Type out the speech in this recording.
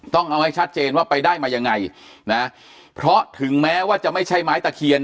ต้องเอาให้ชัดเจนว่าไปได้มายังไงนะเพราะถึงแม้ว่าจะไม่ใช่ไม้ตะเคียน